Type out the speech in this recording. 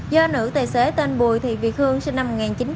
do nữ tài xế tên bùi thị việt hương sinh năm một nghìn chín trăm tám mươi